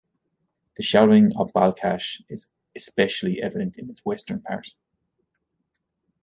The shallowing of Balkhash is especially evident in its western part.